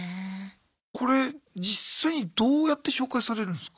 これ実際にどうやって紹介されるんすか？